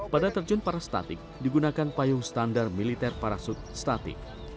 pada terjun para statik digunakan payung standar militer parasut statik